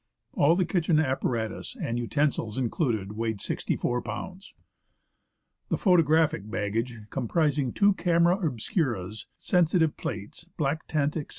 All the kitchen apparatus, and utensils included, weighed 64 lbs. The photographic baggage, comprising two camera obscuras, sensitive plates, black tent, etc.